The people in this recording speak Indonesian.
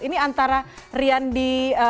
ini antara rian di